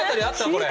これ。